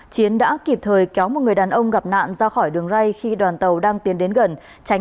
chiến đã kịp thời kéo một người đàn ông gặp nạn ra khỏi đường ray khi đoàn tàu đang tiến đến gần